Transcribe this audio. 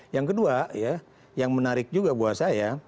yang kedua ya yang menarik juga buat saya